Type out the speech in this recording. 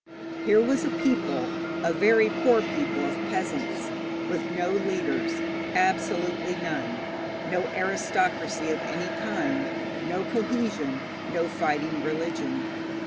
Here was a people a very poor people of peasants with no leaders, absolutely none; no aristocracy of any kind, no cohesion, no fighting religion.